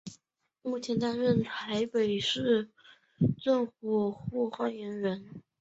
目前担任台北市政府副发言人。